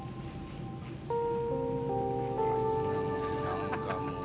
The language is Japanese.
何かもう。